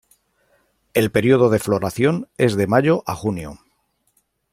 El período de floración es de mayo a junio.